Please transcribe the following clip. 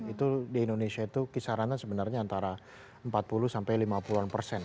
itu di indonesia itu kisarannya sebenarnya antara empat puluh sampai lima puluh an persen